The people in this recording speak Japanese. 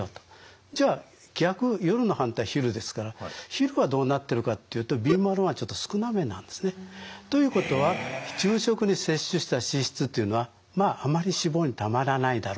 じゃあ逆夜の反対昼ですから昼はどうなってるかっていうとビーマル１ちょっと少なめなんですね。ということは昼食に摂取した脂質というのはまああまり脂肪に貯まらないだろうと。